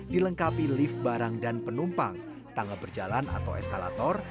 dilengkapi lift barang dan penumpang tanggap berjalan atau eskalator